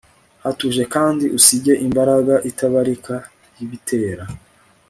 Hatuje kandi usige imbaga itabarika yibitera